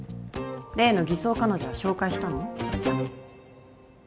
例の偽装彼女は紹介したの？